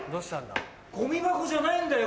ゴミ箱じゃないんだよ